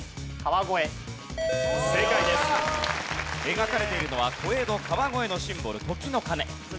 描かれているのは小江戸川越のシンボル時の鐘。